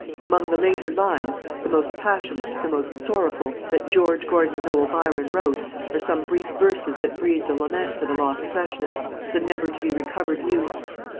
Amongst the later lines the most passionate, the most sorrowful that George Gordon Noel Byron wrote, are some brief verses that breathed a lament for the lost freshness, the never to be recovered youth.